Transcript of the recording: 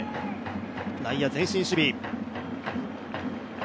内野、前進守備。